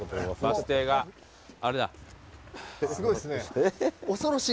すごいっすね。